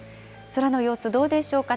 空の様子、どうでしょうか。